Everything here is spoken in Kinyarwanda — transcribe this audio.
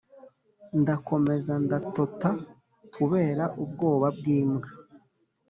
Ndakomeza ndatota kubera ubwoba bw imbwa